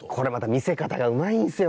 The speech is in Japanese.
見せ方うまいんですよ。